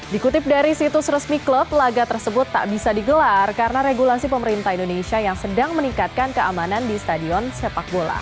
dikutip dari situs resmi klub laga tersebut tak bisa digelar karena regulasi pemerintah indonesia yang sedang meningkatkan keamanan di stadion sepak bola